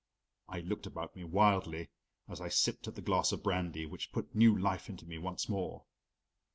I looked about me wildly, as I sipped at the glass of brandy which put new life into me once more.